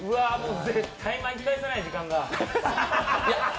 絶対巻き返せない時間だ。